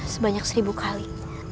sebanyak seribu kali